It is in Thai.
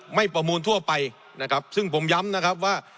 ประมูลทั่วไปนะครับซึ่งผมย้ำนะครับว่า